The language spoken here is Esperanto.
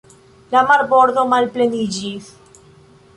La marbordo malpleniĝis.